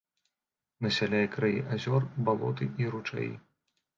Насяляе краі азёр, балоты і ручаі.